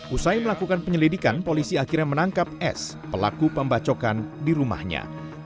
usai melakukan penyelidikan polisi akhirnya menangkap s pelaku pembacokan di rumahnya